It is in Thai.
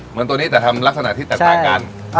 ตัวนี้แต่ทำลักษณะที่แตกต่างกัน